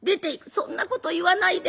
「そんなこと言わないで。